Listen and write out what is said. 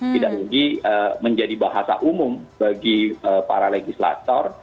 tidak lagi menjadi bahasa umum bagi para legislator